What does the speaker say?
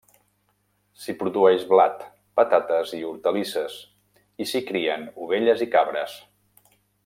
S'hi produeix blat, patates i hortalisses, i s'hi crien ovelles i cabres.